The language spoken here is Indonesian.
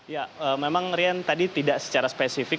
ya memang rian tadi tidak secara spesifik